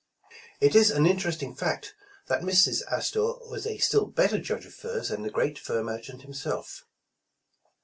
It is an interesting fact, that Mrs. Astor was a still better judge of furs than the great fur merchant him self.